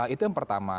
itu yang pertama